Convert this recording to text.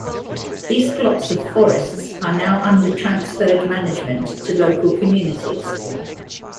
These plots of forests are now under transferred management to local communities.